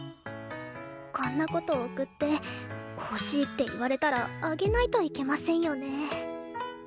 こんな事送って欲しいって言われたらあげないといけませんよね